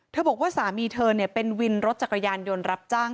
บอกว่าสามีเธอเป็นวินรถจักรยานยนต์รับจ้าง